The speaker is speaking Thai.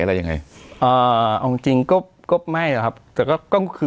อะไรยังไงอ่าเอาจริงจริงก็ก็ไม่อะครับแต่ก็คือ